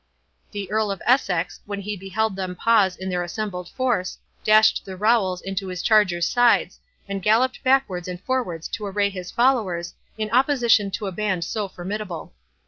The Earl of Essex, when he beheld them pause in their assembled force, dashed the rowels into his charger's sides, and galloped backwards and forwards to array his followers, in opposition to a band so formidable.